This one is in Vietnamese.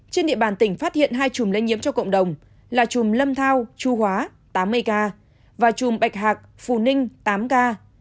trên địa bàn tỉnh phát hiện hai chùm lây nhiễm cho cộng đồng là chùm lâm thao chu hóa tám mươi k và chùm bạch hạc phù ninh tám ca